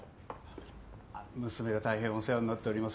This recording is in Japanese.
娘が大変お世話になっております。